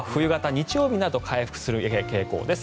日曜日のあと回復する傾向です。